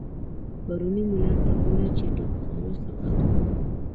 پرونی ملا ته گوره، چی ټوک خورو سقاط خورو